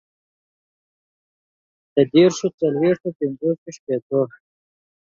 ديرشو، څلويښتو، پنځوسو، شپيتو